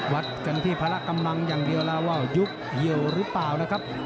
วัดกันที่พละกำลังอย่างเดียวแล้วว่ายุบเหี่ยวหรือเปล่านะครับ